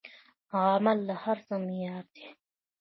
عمل د هر څه معیار دی.